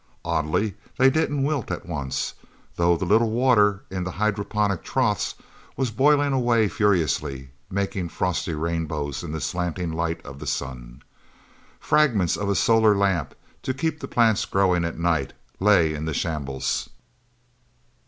Oddly, they didn't wilt at once, though the little water in the hydroponic troughs was boiling away furiously, making frosty rainbows in the slanting light of the sun. Fragments of a solar lamp, to keep the plants growing at night, lay in the shambles.